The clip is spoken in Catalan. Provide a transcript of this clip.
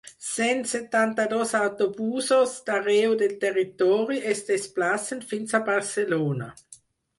Cent setanta-dos autobusos d’arreu del territori es desplacen fins a Barcelona.